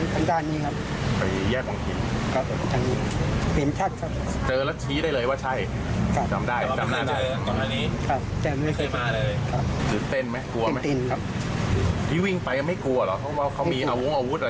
เขามีอาวุธอะไรไม่กลัวเลยหรอ